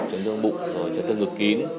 chấn thương bụng chấn thương ngực kín